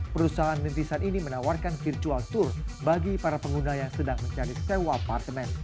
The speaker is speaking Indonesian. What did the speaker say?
perusahaan rintisan ini menawarkan virtual tour bagi para pengguna yang sedang mencari sewa apartemen